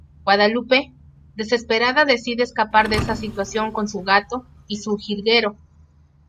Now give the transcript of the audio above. Guadalupe, desesperada, decide escapar de esa situación con su gato y su jilguero.